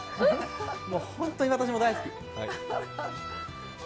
本当に私も大好き。